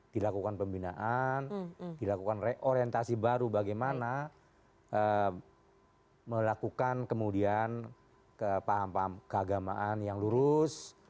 dilakukan pembinaan dilakukan reorientasi baru bagaimana melakukan kemudian kepaham keagamaan yang lurus